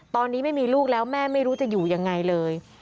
ตอนนี้ไม่มีลูกแล้วแม่ไม่รู้จะอยู่ยังไงเลย